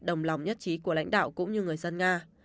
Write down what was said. đồng lòng nhất trí của lãnh đạo cũng như người dân nga